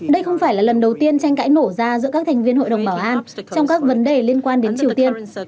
đây không phải là lần đầu tiên tranh cãi nổ ra giữa các thành viên hội đồng bảo an trong các vấn đề liên quan đến triều tiên